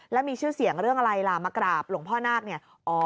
แล้วมีชื่อเสียงเรื่องอะไรล่ะมากราบหลวงพ่อนาคเนี่ย